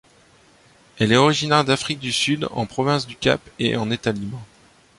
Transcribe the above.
Elle est originaire d'Afrique du Sud, en Province du Cap et en État-Libre.